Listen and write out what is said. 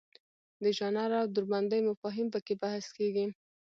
د ژانر او دوربندۍ مفاهیم پکې بحث کیږي.